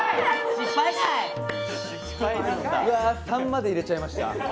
失敗なんかいうわ３まで入れちゃいました